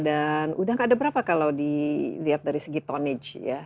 dan udang ada berapa kalau dilihat dari segi tonnage ya